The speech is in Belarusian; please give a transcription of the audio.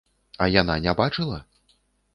А яна не бачыла?